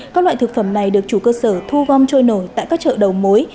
các loại thực phẩm này được chủ cơ sở thu gom trôi nổi tại các chợ đầu mối